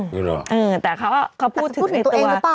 หรือเปล่าพูดถึงตัวเองหรือเปล่า